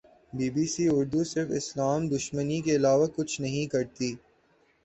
be B C Urdu صرف اسلام دشمنی کے علاوہ کچھ نہیں کرتی